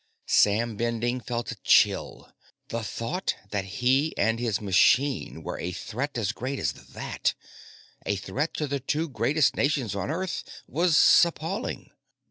Sam Bending felt a chill. The thought that he and his machine were a threat as great as that, a threat to the two greatest nations of Earth, was appalling.